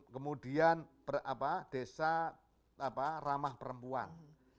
kemudian desa ramah perempuan